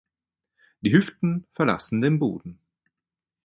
Die Hüften verlassen den Boden.